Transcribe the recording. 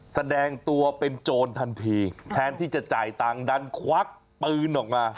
แสดงตัวเป็นโจรทันทีแทนที่จะจ่ายตังค์ดันควักปืนออกมา